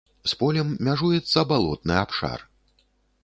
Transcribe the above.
З полем мяжуецца балотны абшар.